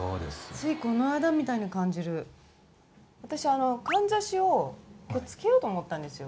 ついこの間みたいに感じる私あのかんざしをつけようと思ったんですよ